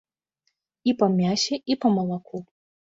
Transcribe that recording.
І па мясе, і па малаку.